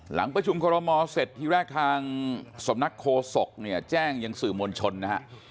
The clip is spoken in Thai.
หลังประชุมคอรมอเสร็จทีแรกทางสำนักโคศกเนี่ยแจ้งยังสื่อมวลชนนะฮะ